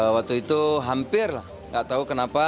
waktu itu hampir lah nggak tahu kenapa